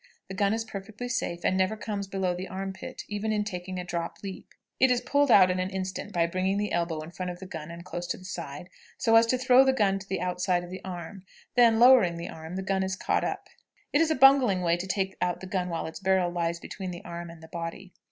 The gun is perfectly safe, and never comes below the arm pit, even in taking a drop leap; it is pulled out in an instant by bringing the elbow in front of the gun and close to the side, so as to throw the gun to the outside of the arm; then, lowering the hand, the gun is caught up. It is a bungling way to take out the gun while its barrel lies between the arm and the body.